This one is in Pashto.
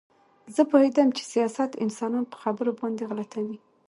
زه پوهېدم چې سیاست انسانان په خبرو باندې غلطوي